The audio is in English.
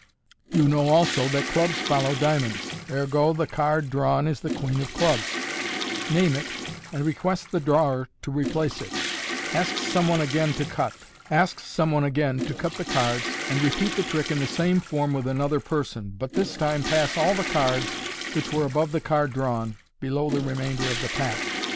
You know also that clubs follow dia monds : ergo, the card drawn is the queen of clubs. Name it, and MODERN MAGIC request the drawer to replace it. Ask some one again to cut. the cards, and repeat the trick in the same form with another person, but this time pass all the cards which were above the card drawn, below the remainder of the pack.